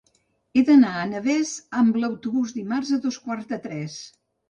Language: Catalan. He d'anar a Navès amb autobús dimarts a dos quarts de tres.